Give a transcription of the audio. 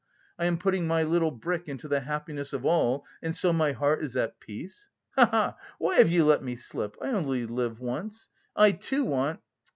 I am putting my little brick into the happiness of all and so my heart is at peace. Ha ha! Why have you let me slip? I only live once, I too want....